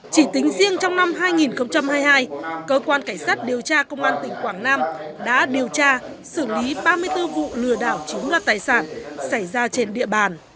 chỉ tính riêng trong năm hai nghìn hai mươi hai cơ quan cảnh sát điều tra công an tỉnh quảng nam đã điều tra xử lý ba mươi bốn vụ lừa đảo chiếm đoạt tài sản xảy ra trên địa bàn